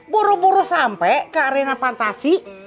boroboro sampai ke arena fantasi